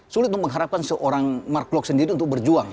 sulit untuk mengharapkan seorang mark klok sendiri untuk berjuang